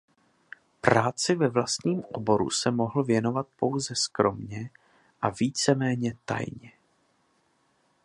Práci ve vlastním oboru se mohl věnovat pouze soukromě a více méně tajně.